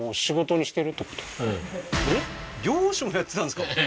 漁師もやってたんですか？